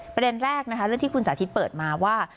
ประเด็นแรกนะคะเรื่องที่คุณสาธิตเปิดมาว่า